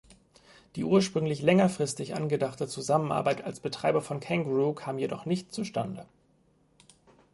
Die ursprünglich längerfristig angedachte Zusammenarbeit als Betreiber von Kangaroo kam jedoch nicht zustande.